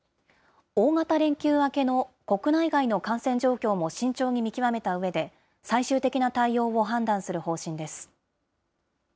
大型連休明けの国内外の感染状況も慎重に見極めたうえで、最終的な対応を判断する方針です。